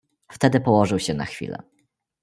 "Wtedy położył się na chwilę."